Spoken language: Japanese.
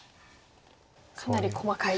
かなり細かい。